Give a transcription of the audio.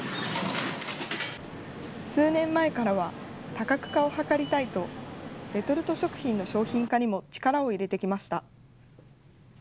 数年前からは多角化を図りたいと、レトルト食品の商品化にも力を入れてきました。